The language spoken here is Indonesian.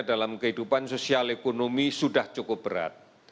dalam kehidupan sosial ekonomi sudah cukup berat